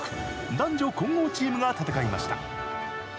男女混合チームが戦いました。